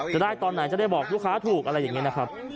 จะได้ตอนไหนจะได้บอกลูกค้าถูกอะไรอย่างนี้นะครับ